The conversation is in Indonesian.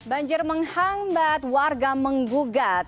banjir menghangbat warga menggugat